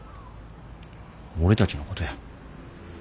俺たちのことや。